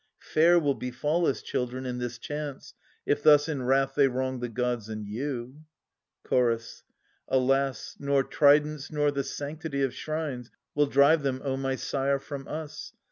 Fair will befall us, children, in this chance, If thus in wrath they wrong the gods and you. Chorus. Alas, nor tridents nor the sanctity Of shrines will drive them, O my sire, from us